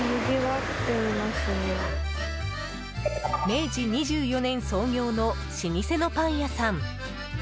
明治２４年創業の老舗のパン屋さん。